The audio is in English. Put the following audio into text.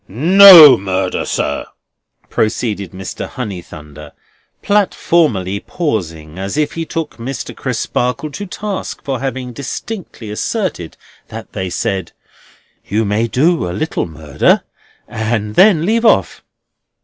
NO murder, sir!" proceeded Mr. Honeythunder, platformally pausing as if he took Mr. Crisparkle to task for having distinctly asserted that they said: You may do a little murder, and then leave off.